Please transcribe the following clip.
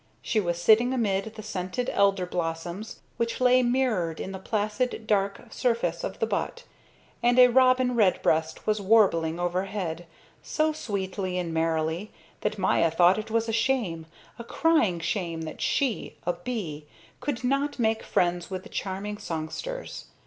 She was sitting amid the scented elder blossoms, which lay mirrored in the placid dark surface of the butt, and a robin redbreast was warbling overhead, so sweetly and merrily that Maya thought it was a shame, a crying shame that she, a bee, could not make friends with the charming songsters.